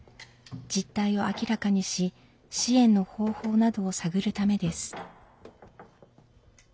実態を明らかにし支援の方法などを探るためです。